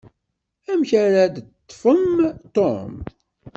Amek ara d-teṭṭfem Tom?